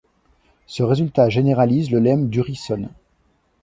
Ce résultat généralise le lemme d'Urysohn.